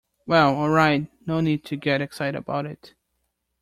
Well, all right, no need to get excited about it.